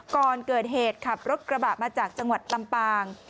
ก่อนเกิดเหตุขับรถกระบะมาจากจังหวัดลำปาง